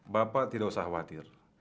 bapak tidak usah khawatir